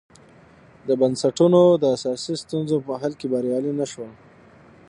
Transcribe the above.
د بنسټونو د اساسي ستونزو په حل کې بریالي نه شول.